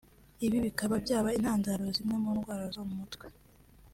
ibi bikaba byaba intandaro ya zimwe mu ndwara zo mu mutwe